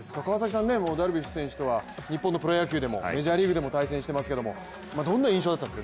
ダルビッシュ選手とは日本のプロ野球でもメジャーリーグでも対戦していますけれどもどんな印象だったんですか？